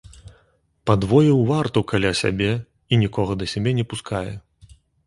Падвоіў варту каля сябе і нікога да сябе не пускае.